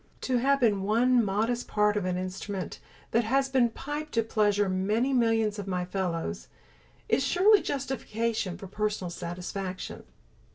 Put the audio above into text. To have been one modest part of an instrument that has piped to pleasure many millions of my fellows, is surely justification for personal satisfaction.